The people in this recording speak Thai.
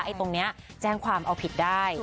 ไอ้ตรงเนี่ยแจ้งความเอาผิดได้